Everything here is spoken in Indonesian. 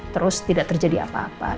terus tidak terjadi apa apa